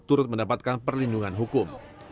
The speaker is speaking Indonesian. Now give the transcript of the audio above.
turut mendapatkan perlindungan hukum